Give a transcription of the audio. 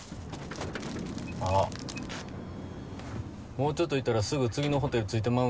もうちょっと行ったらすぐ次のホテル着いてまうんで。